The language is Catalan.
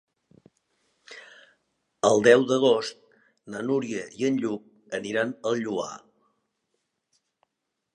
El deu d'agost na Núria i en Lluc aniran al Lloar.